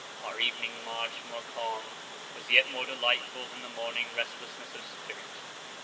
Our evening march, more calm, was yet more delightful than the morning restlessness of spirit.